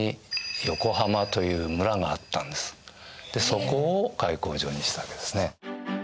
そこを開港場にしたわけですね。